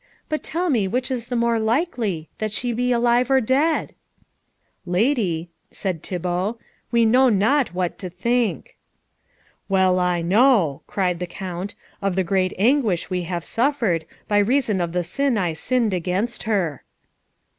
But tell me which is the more likely, that she be alive or dead?" "Lady," said Thibault, "we know not what to think." "Well I know," cried the Count, "of the great anguish we have suffered, by reason of the sin I sinned against her."